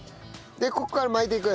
でここから巻いていく？